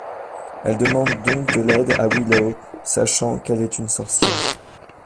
Elle demande donc de l’aide à Willow, sachant qu’elle est une sorcière.